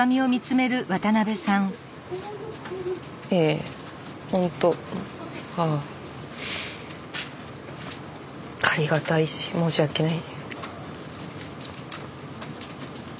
ええ本当ああありがたいし申し訳ない。